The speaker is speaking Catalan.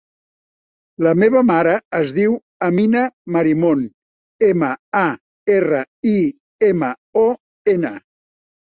La meva mare es diu Amina Marimon: ema, a, erra, i, ema, o, ena.